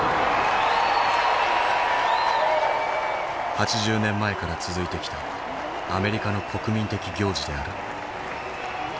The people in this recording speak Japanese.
８０年前から続いてきたアメリカの国民的行事である。